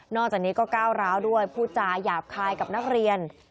จากนี้ก็ก้าวร้าวด้วยพูดจาหยาบคายกับนักเรียน